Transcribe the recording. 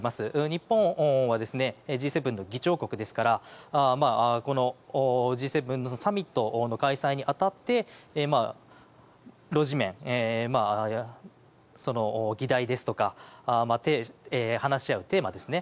日本はＧ７の議長国ですからＧ７サミットの開催に当たって議題ですとか話し合うテーマですね。